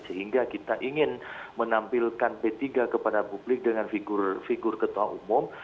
sehingga kita ingin menampilkan p tiga kepada publik dengan figur figur ketua umum